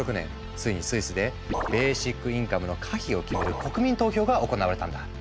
ついにスイスでベーシックインカムの可否を決める国民投票が行われたんだ。